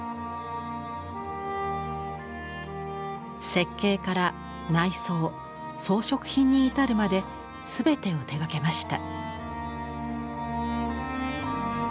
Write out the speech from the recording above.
設計から内装装飾品に至るまで全てを手がけました。